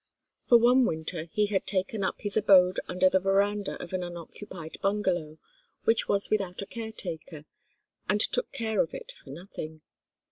For one winter he had taken up his abode under the verandah of an unoccupied bungalow which was without a caretaker, and took care of it for nothing.